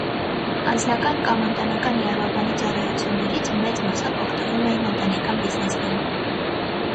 Անձնական կամ ընտանեկան իրավաբանի ծառայություններից մեծ մասամբ օգտվում էին ընտանեկան բիզնեսները։